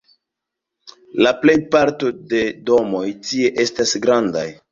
La plejparto de domoj tie estas grandaj.